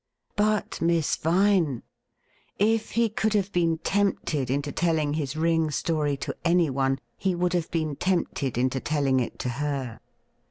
But Miss Vine ! If he could have been tempted into telling his ring story to anyone, he would have been tempted into telling it to her.